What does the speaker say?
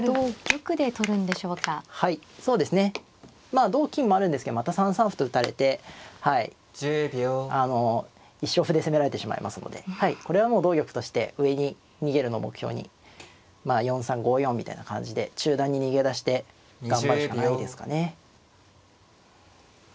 まあ同金もあるんですけどまた３三歩と打たれてあの一生歩で攻められてしまいますのでこれはもう同玉として上に逃げるの目標にまあ４三５四みたいな感じで中段に逃げ出して頑張るしかないですかね。